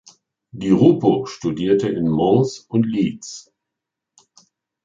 Di Rupo studierte in Mons und Leeds.